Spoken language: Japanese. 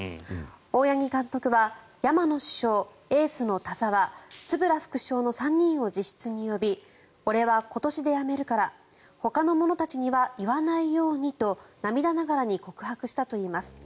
大八木監督は山野主将、エースの田澤円副将の３人を自室に呼び俺は今年で辞めるからほかの者たちには言わないようにと涙ながらに告白したといいます。